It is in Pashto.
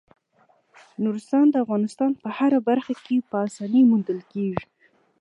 نورستان د افغانستان په هره برخه کې په اسانۍ موندل کېږي.